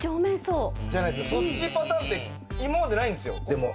そっちパターンって今までないんですよ。